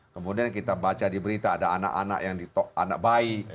kemudian kita baca di berita ada anak anak yang ditok anak bayi